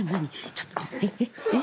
ちょっとえっえっえっ？